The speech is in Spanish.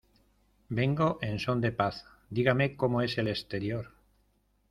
Vengo en son de paz. Dígame como es el exterior .